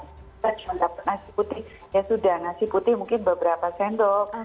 kita cuma dapat nasi putih ya sudah nasi putih mungkin beberapa sendok